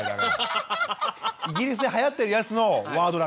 イギリスではやってるやつのワードだから。